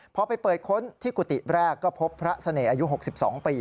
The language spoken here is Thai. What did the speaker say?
พอไปเปิดค้นที่กุฏิแรกก็พบพระเสน่ห์อายุ๖๒ปี